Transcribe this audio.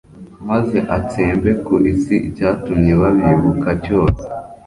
maze atsembe ku isi icyatuma babibuka cyose